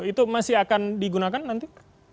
itu masih akan digunakan nanti